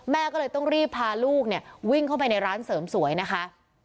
แม่ก็เลยต้องรีบพาลูกเนี่ยวิ่งเข้าไปในร้านเสริมสวยนะคะ